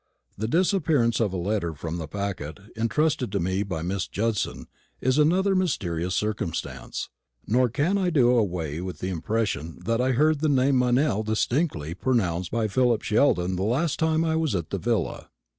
The disappearance of a letter from the packet intrusted to me by Miss Judson is another mysterious circumstance; nor can I do away with the impression that I heard the name Meynell distinctly pronounced by Philip Sheldon the last time I was at the villa.